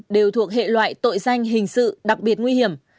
đều thuộc hệ loại tội danh hình sự đặc biệt nguy hiểm